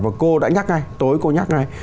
và cô đã nhắc ngay tối cô nhắc ngay